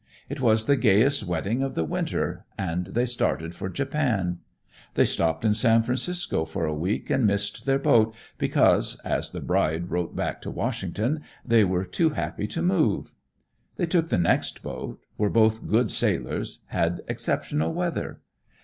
It was the gayest wedding of the winter, and they started for Japan. They stopped in San Francisco for a week and missed their boat because, as the bride wrote back to Washington, they were too happy to move. They took the next boat, were both good sailors, had exceptional weather.